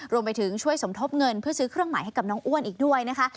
รวมไปถึงช่วยสมทบเงินเพื่อซื้อเครื่องหมายให้กับน้องอ้วนอีกด้วยนะคะ